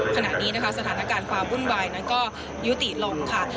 ขณะนี้นะคะสถานการณ์ความบุ่นบายยุติลงค่ะ